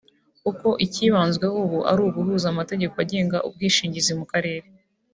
kuko icyibanzweho ubu ari uguhuza amategeko agenga ubwishingizi mu karere